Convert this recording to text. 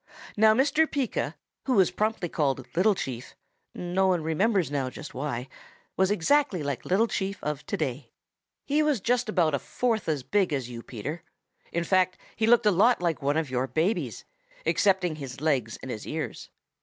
Now Mr. Pika, who was promptly called Little Chief, no one remembers now just why, was exactly like Little Chief of today. He was just about a fourth as big as you, Peter. In fact, he looked a lot like one of your babies, excepting his legs and his ears.